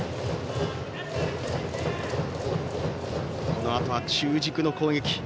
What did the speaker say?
このあとは中軸の攻撃。